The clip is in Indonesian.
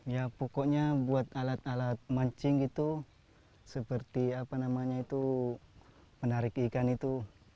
ya pokoknya buat alat alat mancing itu seperti apa namanya itu menarik ikan itu